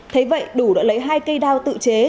thế vậy đủ đã lấy hai cây đao tự chế